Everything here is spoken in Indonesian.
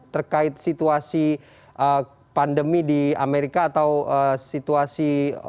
terkait situasi pandemi di amerika atau situasi